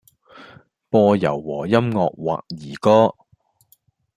播柔和音樂或兒歌